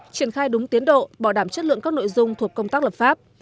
triển khai đúng tiến độ bảo đảm chất lượng các nội dung thuộc công tác lập pháp